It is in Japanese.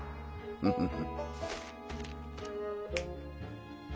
フフフ。